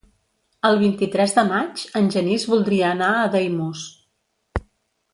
El vint-i-tres de maig en Genís voldria anar a Daimús.